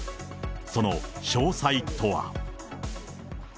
その詳細とは。